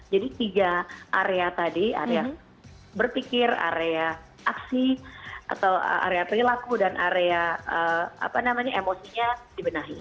jadi tiga area tadi area berpikir area aksi atau area perilaku dan area emosinya dibenahi